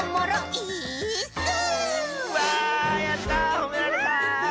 ほめられた！